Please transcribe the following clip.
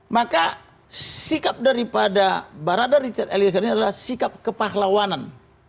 maka sikap daripada barada richard eliezer ini adalah sikap kepahlawanan